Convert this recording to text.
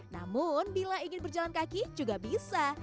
namun bila ingin berjalan kaki juga bisa